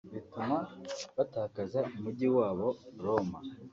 bituma batakaza umujyi wabo Roma